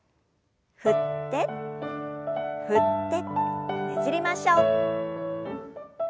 振って振ってねじりましょう。